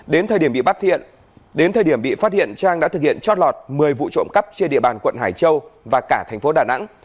đến thời điểm bị phát hiện trang đã thực hiện trót lọt một mươi vụ trộm cắp trên địa bàn quận hải châu và cả thành phố đà nẵng